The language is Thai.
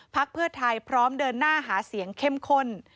เพื่อไทยพร้อมเดินหน้าหาเสียงเข้มข้น